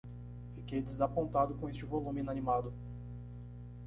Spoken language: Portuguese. Fiquei desapontado com este volume inanimado.